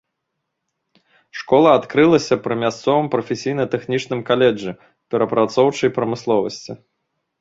Школа адкрылася пры мясцовым прафесійна-тэхнічным каледжы перапрацоўчай прамысловасці.